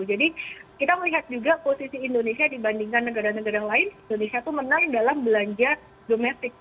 jadi kita melihat juga posisi indonesia dibandingkan negara negara yang lain indonesia tuh menang dalam belanja domestik